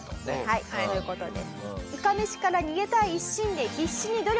はいそういう事です。